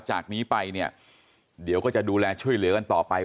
จากนี้ไปเนี่ยเดี๋ยวก็จะดูแลช่วยเหลือกันต่อไป